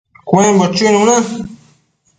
cuembo chuinuna